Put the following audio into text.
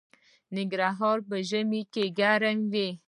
ننګرهار په ژمي کې ګرم وي